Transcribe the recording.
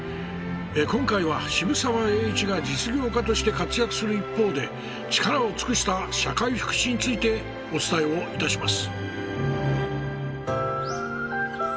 今回は渋沢栄一が実業家として活躍する一方で力を尽くした社会福祉についてお伝えをいたします。